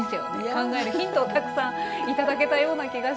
考えるヒントをたくさん頂けたような気がしました。